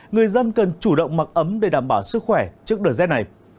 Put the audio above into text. người dân cần chủ động mặc ấm để đảm bảo sức khỏe trước đợt rét này